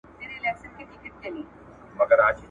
چي د ښځي او نارينه د برابرۍ خبره يې کړې ده